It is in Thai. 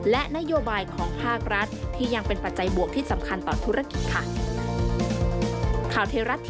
และนโยบายของภาครัฐที่ยังเป็นปัจจัยบวกที่สำคัญต่อธุรกิจค่ะ